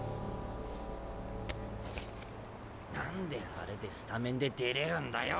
何であれでスタメンで出れるんだよ。